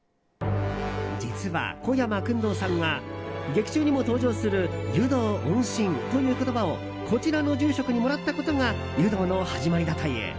実は小山薫堂さんが劇中にも登場する湯道温心という言葉をこちらの住職にもらったことが「湯道」の始まりだという。